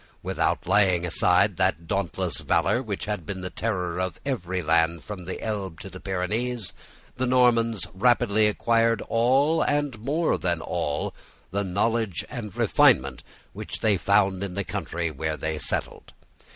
Without laying aside that dauntless valour which had been the terror of every land from the Elbe to the Pyrenees, the Normans rapidly acquired all, and more than all, the knowledge and refinement which they found in the country where they settled.